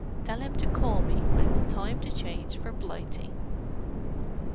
Tell him to call me when it's time to change for Blighty!"